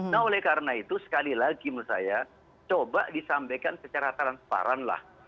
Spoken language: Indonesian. nah oleh karena itu sekali lagi menurut saya coba disampaikan secara transparan lah